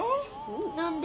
何で？